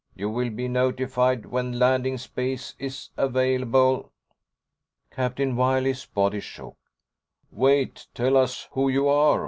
You will be notified when landing space is available." Captain Wiley's body shook. "Wait, tell us who you are.